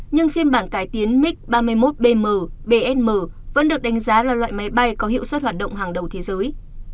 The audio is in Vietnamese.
nhưng phiên bản cải tiến mig ba mươi một bm bsm vẫn được đánh giá là loại máy bay có hiệu suất hoạt động hàng đầu thế giới